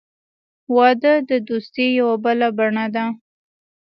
• واده د دوستۍ یوه بله بڼه ده.